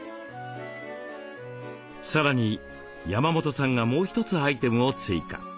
さらに山本さんがもう一つアイテムを追加。